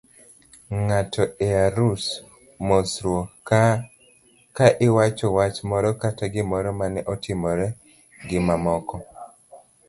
ng'ato e arus, mosruok, ka iwachoni wach moro kata gimoro mane otimore gimamoko